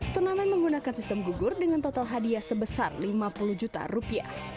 turnamen menggunakan sistem gugur dengan total hadiah sebesar lima puluh juta rupiah